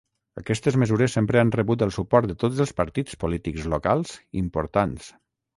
Aquestes mesures sempre han rebut el suport de tots els partits polítics locals importants.